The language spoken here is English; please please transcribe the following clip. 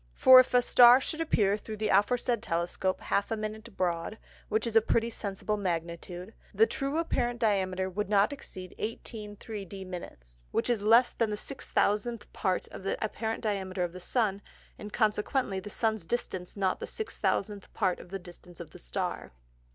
For if a Star should appear thro' the aforesaid Telescope half a Minute broad (which is a pretty sensible Magnitude) the true apparent Diameter would not exceed 18 3d Minutes, which is less than the 6000th part of the apparent Diameter of the Sun, and consequently the Sun's Distance not the 6000th part of the Distance of the Star.